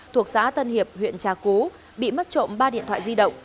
thuộc xã tân hiệp huyện trà cú bị mất trộm ba điện thoại di động